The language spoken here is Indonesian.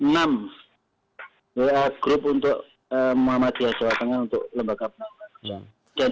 wa group untuk muhammadiyah jawa tengah untuk lembaga penanggalan